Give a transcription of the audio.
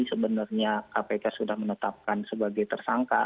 sebenarnya kpk sudah menetapkan sebagai tersangka